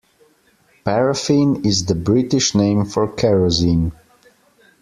Paraffin is the British name for kerosene